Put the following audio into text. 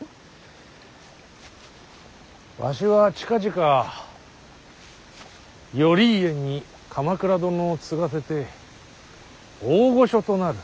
わしは近々頼家に鎌倉殿を継がせて大御所となる。